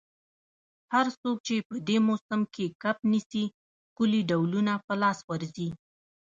هر څوک چي په دې موسم کي کب نیسي، ښکلي ډولونه په لاس ورځي.